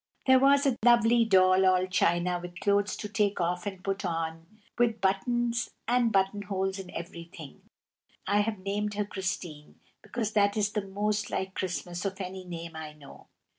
There was a lovely doll, all china, with clothes to take off and put on, and buttons and buttonholes in everything. I have named her Christine, because that is the most like Christmas of any name I know.